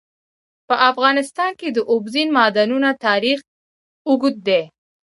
په افغانستان کې د اوبزین معدنونه تاریخ اوږد دی.